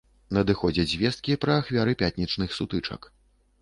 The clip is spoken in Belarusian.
Надыходзяць звесткі пра ахвяры пятнічных сутычак.